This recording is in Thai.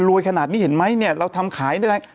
ลวยขนาดนี้เห็นมั้ยเราทำขายนี้